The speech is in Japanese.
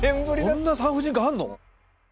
そんな産婦人科あるの？